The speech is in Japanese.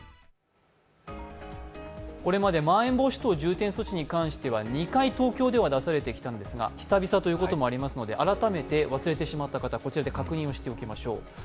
これまでまん延防止措置に関しては、２回東京では出されてきたんですが久々ということもありますので改めて忘れてしまった方、こちらで確認をしておきましょう。